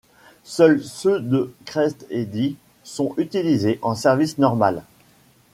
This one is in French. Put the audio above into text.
Seuls ceux de Crest et Die sont utilisés en service normal.